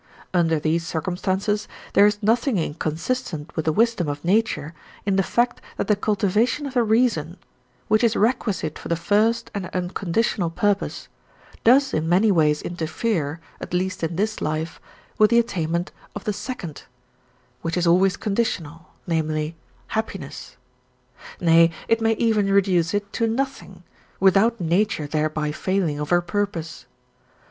Under these circumstances, there is nothing inconsistent with the wisdom of nature in the fact that the cultivation of the reason, which is requisite for the first and unconditional purpose, does in many ways interfere, at least in this life, with the attainment of the second, which is always conditional, namely, happiness. Nay, it may even reduce it to nothing, without nature thereby failing of her purpose.